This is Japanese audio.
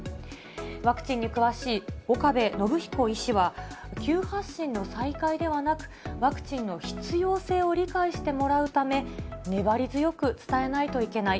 ワクチンに詳しい岡部信彦医師は、急発進の再開ではなく、ワクチンの必要性を理解してもらうため、粘り強く伝えないといけない。